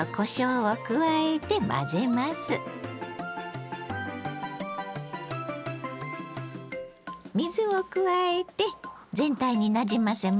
水を加えて全体になじませましょう。